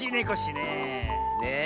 ねえ。